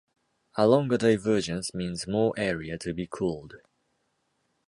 A longer divergence means more area to be cooled.